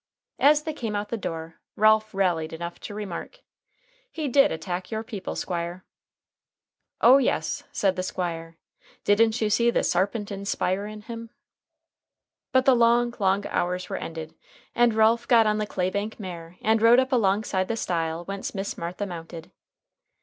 As they came out the door Ralph rallied enough to remark: "He did attack your people, Squire." "Oh, yes," said the Squire. "Didn't you see the Sarpent inspirin' him?" But the long, long hours were ended and Ralph got on the clay bank mare and rode up alongside the stile whence Miss Martha mounted.